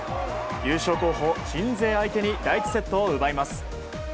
優勝候補、鎮西相手に第１セットを奪います。